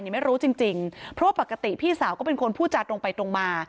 ไม่รู้จริงเพราะปกติพี่สาวก็เป็นคนพูดจาตรงไปตรงมา